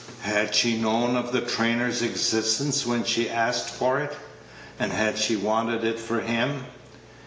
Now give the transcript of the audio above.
Had she known of the trainer's existence when she asked for it? and had she wanted it for him?